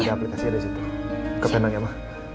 ada aplikasinya di situ ke penang ya ma